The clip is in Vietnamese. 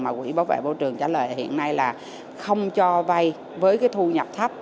mà quỹ bảo vệ bộ trưởng trả lời hiện nay là không cho vay với cái thu nhập thấp